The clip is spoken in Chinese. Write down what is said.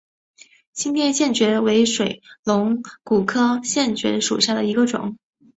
新店线蕨为水龙骨科线蕨属下的一个种。